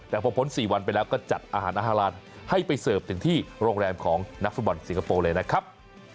แต่พอพ้น๔วันไปแล้วก็จัดอาหารอาหารให้ไปเสิร์ฟถึงที่โรงแรมของนักฟุตบอลสิงคโปร์เลยนะครับ